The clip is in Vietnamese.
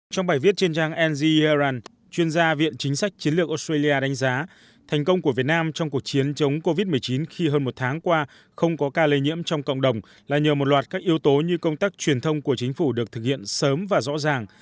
trong bài viết trên trang nzern chuyên gia viện chính sách chiến lược australia đánh giá thành công của việt nam trong cuộc chiến chống covid một mươi chín khi hơn một tháng qua không có ca lây nhiễm trong cộng đồng là nhờ một loạt các yếu tố như công tác truyền thông của chính phủ được thực hiện sớm và rõ ràng